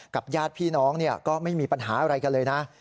ญาติพี่น้องก็ไม่มีปัญหาอะไรกันเลยนะ